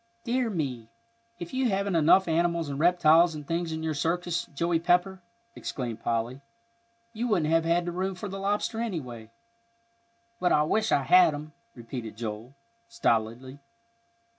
"Dear me, if you haven't enough animals and reptiles and things in your circus, Joey Pepper!" exclaimed Polly. "You wouldn't have had room for the lobster, anyway." "But I wish I had him," repeated Joel, stolidly.